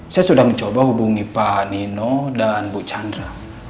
saya sudah mencoba hubungi pak nino dan bu chandra